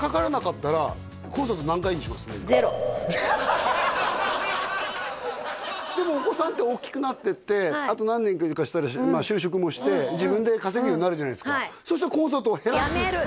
えっじゃあもしでもお子さんって大きくなってってあと何年かしたりしてまあ就職もして自分で稼ぐようになるじゃないですかそしたらコンサートは減らす？